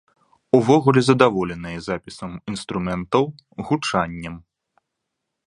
Увогуле задаволеныя запісам інструментаў, гучаннем.